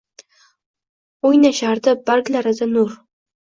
Oʻynashardi barglarida nur.